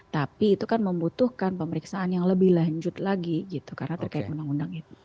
tapi itu kan membutuhkan pemeriksaan yang lebih lanjut lagi gitu karena terkait undang undang itu